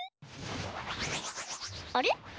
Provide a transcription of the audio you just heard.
あれ？